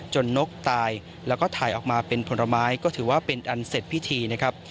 นกตายแล้วก็ถ่ายออกมาเป็นผลไม้ก็ถือว่าเป็นอันเสร็จพิธีนะครับ